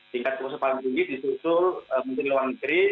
tingkat kekuasaan paling tinggi disusul menteri luar negeri